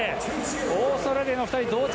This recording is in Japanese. オーストラリアの２人、同着。